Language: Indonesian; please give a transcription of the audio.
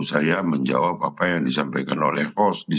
saya menjawab apa yang disampaikan oleh host di situ